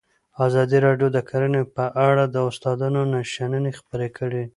ازادي راډیو د کرهنه په اړه د استادانو شننې خپرې کړي.